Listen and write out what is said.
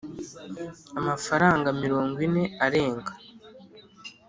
'amafaranga mirongo ine arenga,